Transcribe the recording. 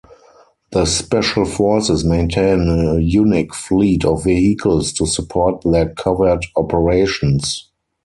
The Special forces maintain a unique fleet of vehicles to support their covert operations.